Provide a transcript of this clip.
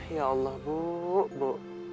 ya allah bu bu